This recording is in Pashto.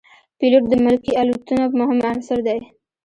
پیلوټ د ملکي الوتنو مهم عنصر دی.